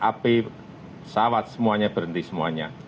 api pesawat semuanya berhenti semuanya